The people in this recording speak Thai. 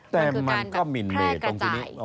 แต่มันก็หมินเมย์ตรงที่นี้